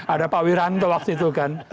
ada pak wiranto waktu itu kan